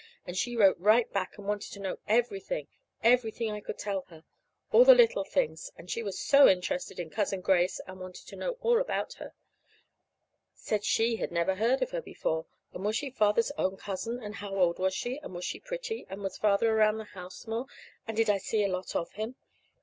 And she wrote right back and wanted to know everything everything I could tell her; all the little things. And she was so interested in Cousin Grace, and wanted to know all about her; said she never heard of her before, and was she Father's own cousin, and how old was she, and was she pretty, and was Father around the house more now, and did I see a lot of him?